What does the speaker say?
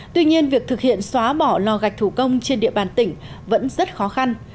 tuy nhiên việc thực hiện xóa bỏ lò gạch thủ công trên địa bàn tỉnh vẫn rất khó khăn